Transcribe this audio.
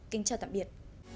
kính chào tạm biệt